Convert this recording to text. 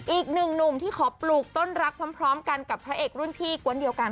อีกหนึ่งหนุ่มที่ขอปลูกต้นรักพร้อมกันกับพระเอกรุ่นพี่กวนเดียวกัน